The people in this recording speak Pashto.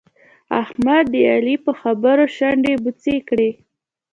احمد د علي په خبرو شونډې بوڅې کړې.